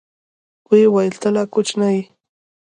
ويې ويل ته لا کوچنى يې.